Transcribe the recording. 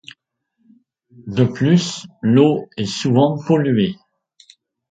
De plus l'eau est souvent polluée.